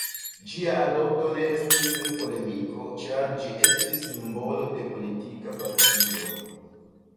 Ĝia adopto ne estis sen polemiko, ĉar ĝi estis simbolo de politika partio.